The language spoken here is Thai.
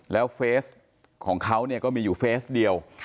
แล้วเฟสของเขาเนี่ยก็มีอยู่เฟสเดียว